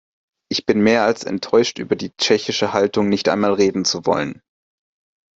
Ich bin mehr als enttäuscht über die tschechische Haltung, nicht einmal reden zu wollen.